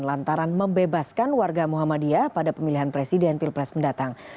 lantaran membebaskan warga muhammadiyah pada pemilihan presiden pilpres mendatang